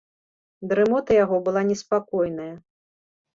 Дрымота яго была неспакойная.